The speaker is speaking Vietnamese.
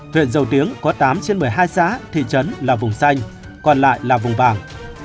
huyện dầu tiếng có tám trên một mươi hai xã thị trấn là vùng xanh còn lại là vùng vàng